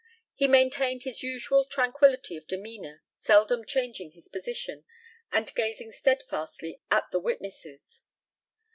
He maintained his usual tranquillity of demeanour, seldom changing his position, and gazing steadfastly at the witnesses.